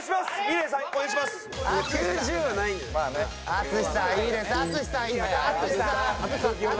淳さん！